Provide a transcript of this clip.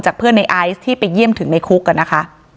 จากเพื่อนในไอซ์ที่ไปเยี่ยมถึงในคุก